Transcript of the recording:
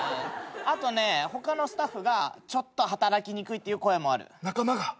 あとね他のスタッフがちょっと働きにくいって声もある。